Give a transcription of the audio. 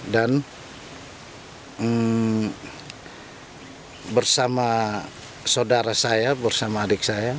dan bersama saudara saya bersama adik saya